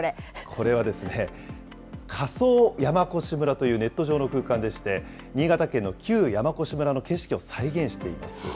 これは、仮想山古志村というネット上の空間でして、新潟県の旧山古志村の景色を再現しているんです。